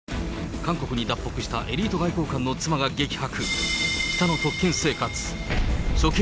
韓国に脱北した、エリート外交官の妻が激白。